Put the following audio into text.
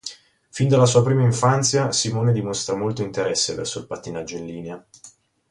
Fin dalla sua prima infanzia Simone dimostra molto interesse verso il pattinaggio in linea.